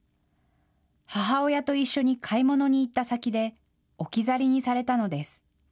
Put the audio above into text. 母親と一緒に買い物に行った先で置き去りにされたのです。